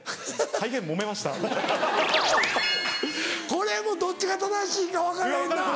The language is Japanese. これもどっちが正しいか分かれへんな。